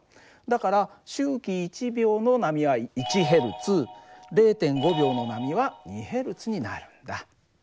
だから周期１秒の波は１Ｈｚ０．５秒の波は２Ｈｚになるんだ。